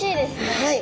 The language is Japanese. はい。